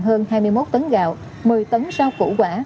hơn hai mươi một tấn gạo một mươi tấn rau củ quả